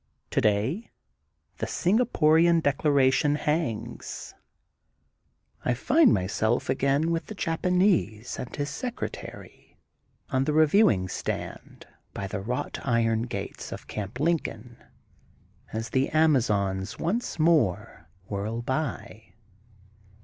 Today the Singaporian declaration hangs. I find myself again with the Japanese and his secretary on the reviewing stand by the wrought iron gates of Camp Lincoln, as the Amazons once more whirl by.